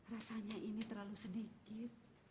rasanya ini terlalu sedikit